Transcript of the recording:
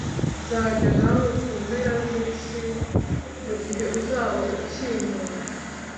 Nzajyana nawe ku mpera z’Isi mu gihe uzaba ukinkunda